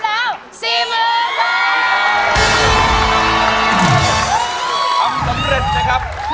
แล้วสำเร็จนะครับ